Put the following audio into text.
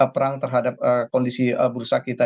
perang terhadap kondisi bursa kita